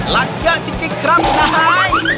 รักเยอะจิ๊กครั้งน้าร์